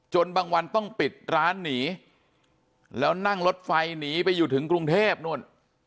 บางวันต้องปิดร้านหนีแล้วนั่งรถไฟหนีไปอยู่ถึงกรุงเทพนู่น